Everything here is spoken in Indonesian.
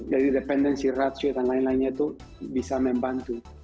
jadi dependensi ratio dan lain lainnya itu bisa membantu